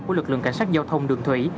của lực lượng cảnh sát giao thông đường thủy